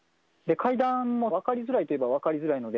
階段も分かりづらいといえば分かりづらいので。